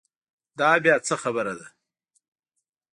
دا بیا څه خبره ده.